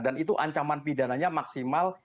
dan itu ancaman pidana nya maksimal